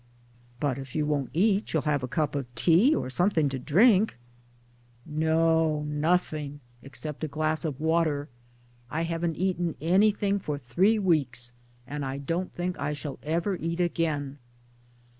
]" But if you won't eat, you'll have a cup of tea, or something to drink? " MY DAYS AND DREAMS " No, nothing except a glass of water I haven't eaten anything for three weeks, and I don't think I shall ever eat again."